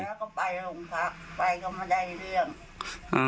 แล้วก็ไปโรงพักไปก็ไม่ได้เรื่องอ่า